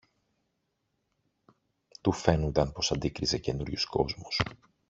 Του φαίνουνταν πως αντίκριζε καινούριους κόσμους.